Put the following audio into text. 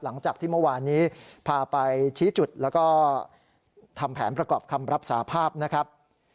หลังจากที่เมื่อวานนี้พาไปชี้จุดแล้วก็ทำแผนประกอบคำรับสาภาพนะครับ